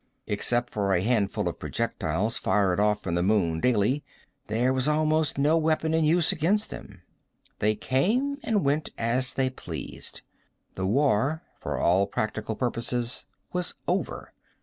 Except for a handful of projectiles fired off from the moon daily, there was almost no weapon in use against them. They came and went as they pleased. The war, for all practical purposes, was over.